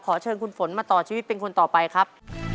เชิญคุณฝนมาต่อชีวิตเป็นคนต่อไปครับ